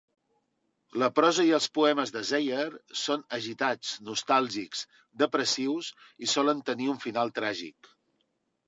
La prosa i els poemes de Zeyer són agitats, nostàlgics, depressius i solen tenir un final tràgic.